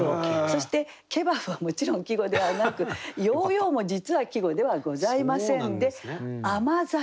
そして「ケバブ」はもちろん季語ではなく「ヨーヨー」も実は季語ではございませんで「甘酒」